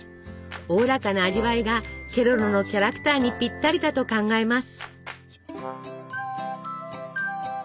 おおらかな味わいがケロロのキャラクターにぴったりだと考えます。